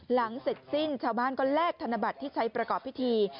หลังเสร็จสิ้นชาวบ้านก็แลกธนบัตรที่ใช้ประกอบพิธี